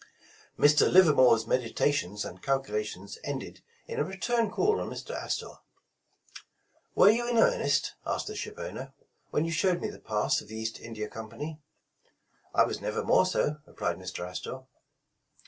Mr. Livermore's meditations and calculations ended in a return call on Mr. Astor. "Were you in earnest?" asked the ship owner, '' when you showed me the Pass of the East India Com pany ?'' '^I was never more so," replied Mr. Astor.